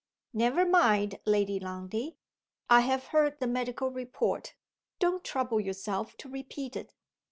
"Never mind, Lady Lundie! I have heard the medical report. Don't trouble yourself to repeat it."